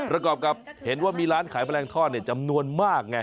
ประกอบกับเห็นว่ามีร้านขายแมลงทอดจำนวนมากไง